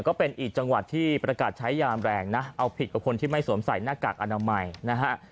ก็เป็นอีกจังหวัดที่ประกาศใช้ยามแรงนะเอาผิดกับคนที่ไม่สวมใส่หน้ากากอนามัยนะฮะ